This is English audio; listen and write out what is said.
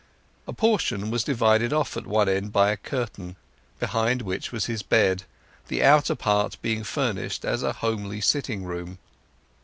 A portion was divided off at one end by a curtain, behind which was his bed, the outer part being furnished as a homely sitting room.